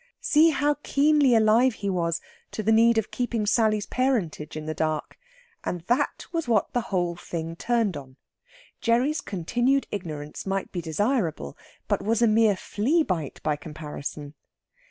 See how keenly alive he was to the need of keeping Sally's parentage in the dark! And that was what the whole thing turned on. Gerry's continued ignorance might be desirable, but was a mere flea bite by comparison.